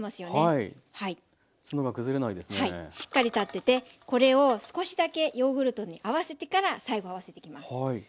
しっかり立っててこれを少しだけヨーグルトに合わせてから最後合わせていきます。